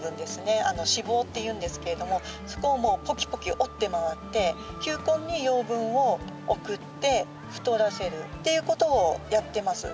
「子房」っていうんですけれどもそこをポキポキ折って回って球根に養分を送って太らせるっていうことをやってます。